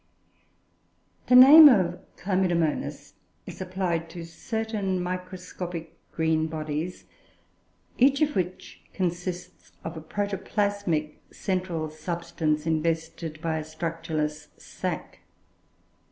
The name of Chlamydomonas is applied to certain microscopic green bodies, each of which consists of a protoplasmic central substance invested by a structureless sac.